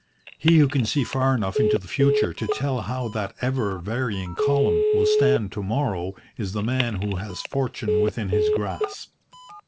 He who can see far enough into the future to tell how that ever varying column will stand to morrow is the man who has fortune within his grasp.